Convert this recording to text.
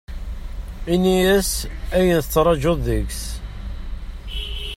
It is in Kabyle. Ini-as ayen tettrajuḍ deg-s.